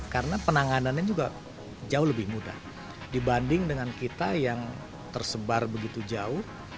karena penanganannya juga jauh lebih mudah dibanding dengan kita yang tersebar begitu jauh